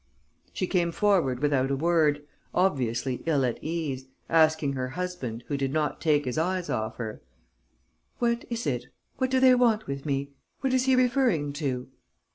She came forward without a word, obviously ill at ease, asking her husband, who did not take his eyes off her: "What is it?... What do they want with me?... What is he referring to?"